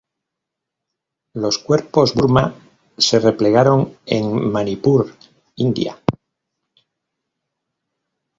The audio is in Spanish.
Los Cuerpos Burma se replegaron en Manipur, India.